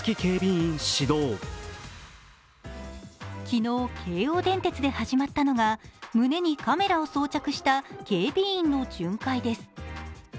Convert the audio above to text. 昨日、京王電鉄で始まったのが、胸にカメラを装着した警備員の巡回です。